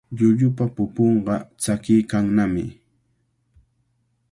Llullupa pupunqa tsakiykannami.